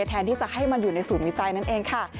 แทนที่จะให้มันอยู่ในศูนย์วิจัยนั่นเองค่ะ